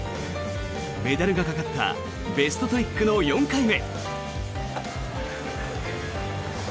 メダルがかかったベストトリックの４回目。